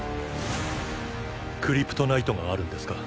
クリプトナイトがあるんですか？